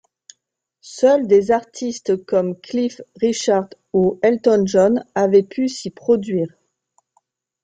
Seuls des artists comme Cliff Richards ou Elton John avaient pu s'y produire.